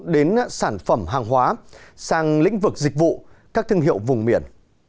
đến sản phẩm hàng hóa sang lĩnh vực dịch vụ các thương hiệu vùng miền